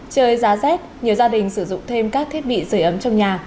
trời giá rét nhiều gia đình sử dụng thêm các thiết bị rời ấm trong nhà